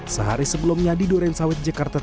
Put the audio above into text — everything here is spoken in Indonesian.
sehari sebelumnya di dorensawet jakarta tengah